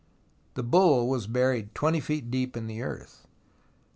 The bull was buried 20 feet deep in the earth.